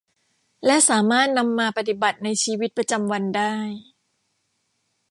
และสามารถนำมาปฏิบัติในชีวิตประจำวันได้